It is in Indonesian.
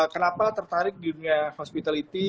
kenapa tertarik dengan hospitality